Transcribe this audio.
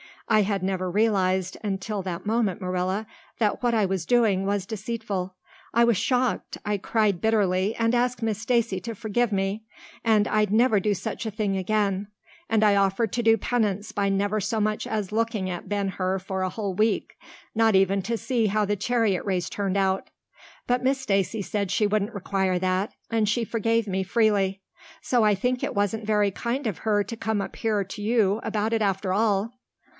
I had never realized until that moment, Marilla, that what I was doing was deceitful. I was shocked. I cried bitterly, and asked Miss Stacy to forgive me and I'd never do such a thing again; and I offered to do penance by never so much as looking at Ben Hur for a whole week, not even to see how the chariot race turned out. But Miss Stacy said she wouldn't require that, and she forgave me freely. So I think it wasn't very kind of her to come up here to you about it after all."